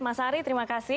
mas ari terima kasih